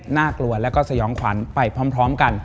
น่ากลัวแล้วก็สยองขวัญไปพร้อมกัน